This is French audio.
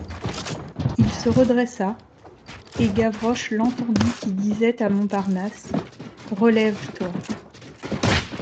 Il se redressa, et Gavroche l’entendit qui disait à Montparnasse: — Relève-toi.